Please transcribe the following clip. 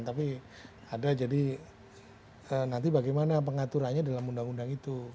tapi ada jadi nanti bagaimana pengaturannya dalam undang undang itu